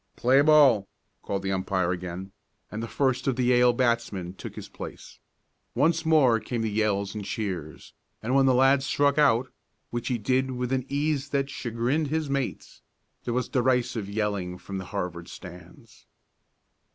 "Play ball," called the umpire again, and the first of the Yale batsmen took his place. Once more came the yells and cheers, and when the lad struck out, which he did with an ease that chagrined his mates, there was derisive yelling from the Harvard stands.